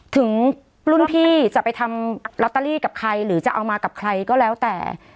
ถึงรุ่นพี่จะไปทำลอตเตอรี่กับใครหรือจะเอามากับใครก็แล้วแต่